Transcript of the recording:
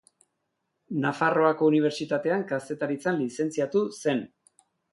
Nafarroako Unibertsitatean Kazetaritzan lizentziatu zen.